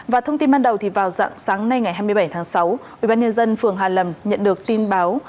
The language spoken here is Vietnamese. và thông tin ban đầu vào dạng sáng nay ngày hai mươi bảy tháng sáu ubnd phường hà lầm nhận được tin báo